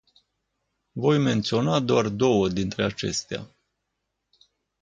Voi menționa doar două dintre acestea.